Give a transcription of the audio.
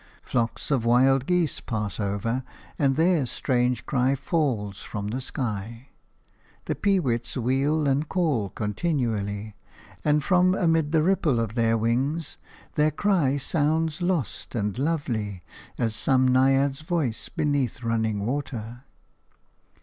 Flocks of wild geese pass over, and their strange cry falls from the sky. The peewits wheel and call continually, and from amid the ripple of their wings their cry sounds lost and lovely as some Naiad's voice beneath running water.